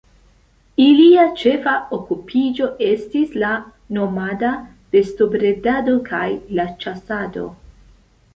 Ilia ĉefa okupiĝo estis la nomada bestobredado kaj la ĉasado.